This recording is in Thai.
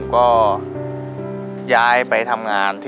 ปิดเท่าไหร่ก็ได้ลงท้ายด้วย๐เนาะ